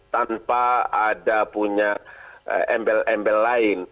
tanpa ada punya embel embel lain